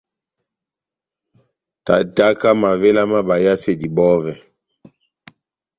Tátáka mavéla má bayasedi bɔvɛ.